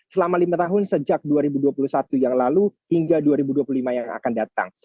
selama lima tahun sejak dua ribu dua puluh satu yang lalu hingga dua ribu dua puluh lima yang akan datang